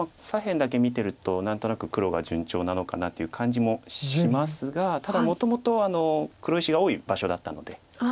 左辺だけ見てると何となく黒が順調なのかなという感じもしますがただもともと黒石が多い場所だったので。